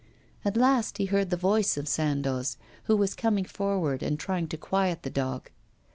At last he heard the voice of Sandoz, who was coming forward and trying to quiet the dog.